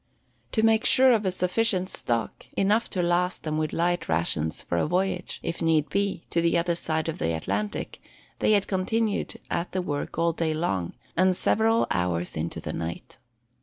To make sure of a sufficient stock, enough to last them with light rations for a voyage, if need be, to the other side of the Atlantic, they had continued at the work all day long, and several hours into the night.